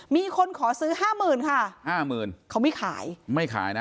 มีคนขอซื้อห้าหมื่นค่ะเขาไม่ขายไม่ขายนะ